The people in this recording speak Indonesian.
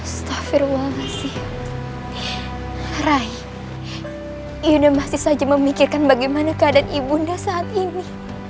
astagfirullahaladzim rai yunda masih saja memikirkan bagaimana keadaan ibunda saat ini